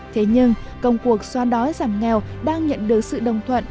thế nhưng công cuộc xoa đói giảm nghèo đang nhận được sự đồng thuận